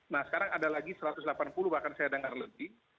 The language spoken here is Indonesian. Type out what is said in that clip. nah sekarang ada lagi satu ratus delapan puluh bahkan saya dengar lebih